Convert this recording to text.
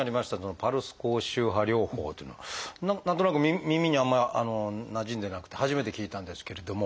パルス高周波療法というのは何となく耳にあんまりなじんでなくて初めて聞いたんですけれども。